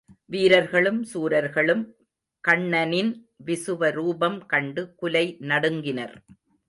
வீரர்களும் சூரர்களும் கண்ணனின் விசுவரூபம் கண்டு குலை நடுங்கினர்.